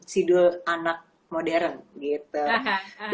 sidul anak modern gitu